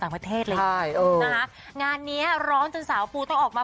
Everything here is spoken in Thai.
ประเทศเลยใช่เออนะคะงานเนี้ยร้อนจนสาวปูต้องออกมา